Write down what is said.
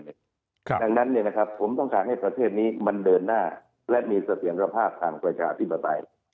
ดังนั้นผมต้องการให้ประเทศนี้มันเดินหน้าและมีเสถียรภาพทางประชาธิปไตย